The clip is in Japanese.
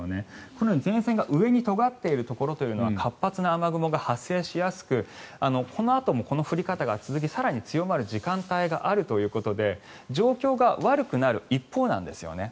このように前線がとがっているところは活発な雨雲が発生しやすくこのあともこの降り方が続き更に強まる時間帯があるということで状況が悪くなる一方なんですね。